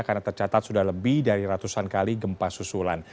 karena tercatat sudah lebih dari ratusan kali gempa susulan